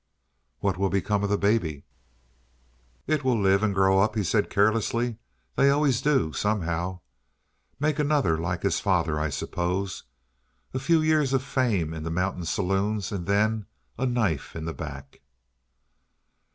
"What will become of the baby?" "It will live and grow up," he said carelessly. "They always do, somehow. Make another like his father, I suppose. A few years of fame in the mountain saloons, and then a knife in the back."